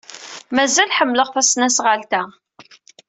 Mazal ḥemmleɣ tasnasɣalt-a.